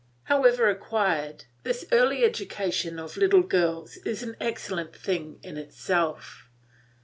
However acquired, this early education of little girls is an excellent thing in itself.